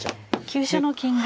急所の金が。